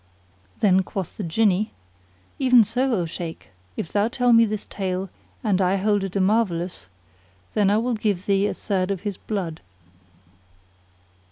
Then quoth the Jinni "Even so, O Shaykh ! if thou tell me this tale, and I hold it a marvellous, then will I give thee a third of his blood."